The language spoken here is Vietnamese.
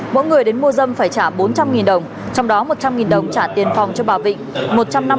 mỗi người đến mua dâm phải trả bốn trăm linh đồng trong đó một trăm linh đồng trả tiền phòng cho bà vịnh